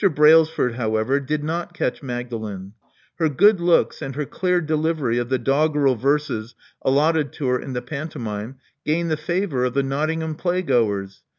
Brailsford, however, did not catch Magdalen. Her good l,x)is, and her clear delivery of the doggerel" verses allotted to her in the pantomime^ gained the favor of the Nottingham playgoers.